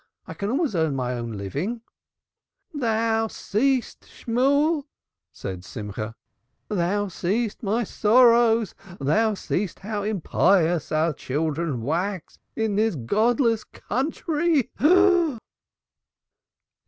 I can always earn my own living." "Thou seest, Shemuel?" said Simcha. "Thou seest my sorrows? Thou seest how impious our children wax in this godless country."